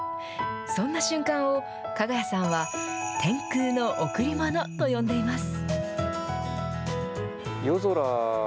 そんな瞬間を、ＫＡＧＡＹＡさんは、天空の贈り物と呼んでいます。